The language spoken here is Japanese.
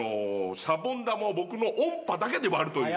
シャボン玉を僕の音波だけで割るという。